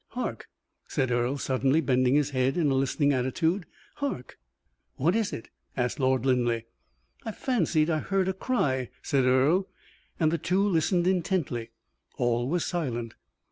"Hark!" said Earle, suddenly bending his head in a listening attitude. "Hark!" "What is it?" asked Lord Linleigh. "I fancied I heard a cry," said Earle, and the two listened intently. All was silent.